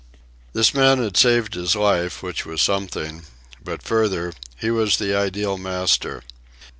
This man had saved his life, which was something; but, further, he was the ideal master.